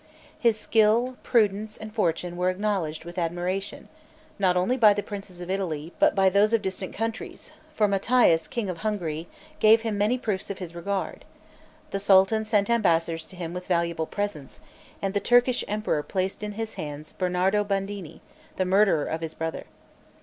His skill, prudence, and fortune, were acknowledged with admiration, not only by the princes of Italy, but by those of distant countries; for Matthias, king of Hungary, gave him many proofs of his regard; the sultan sent ambassadors to him with valuable presents, and the Turkish emperor placed in his hands Bernardo Bandini, the murderer of his brother.